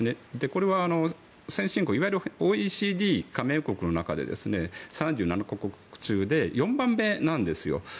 これはいわゆるＯＥＣＤ加盟国の中で３７か国中で４番目なんですよ。